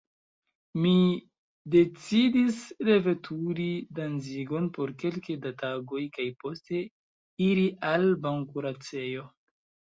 Mi decidis reveturi Danzigon por kelke da tagoj kaj poste iri al bankuracejo.